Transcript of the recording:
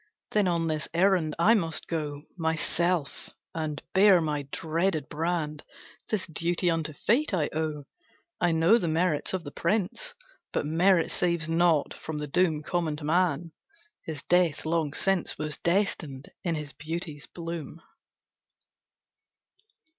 "Then on this errand I must go Myself, and bear my dreaded brand, This duty unto Fate I owe; I know the merits of the prince, But merit saves not from the doom Common to man; his death long since Was destined in his beauty's bloom."